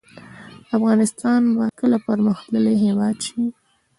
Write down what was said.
افغانستان به کله پرمختللی هیواد شي؟